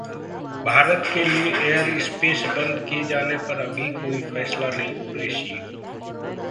भारत के लिए एयरस्पेस बंद किए जाने पर अभी कोई फैसला नहींः कुरैशी